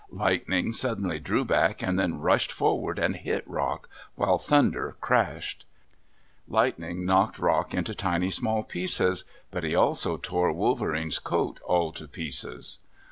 Lightning suddenly drew back and then rushed forward and hit Rock, while Thunder crashed. Lightning knocked Rock into tiny small pieces, but he also tore Wolverene's coat all to pieces.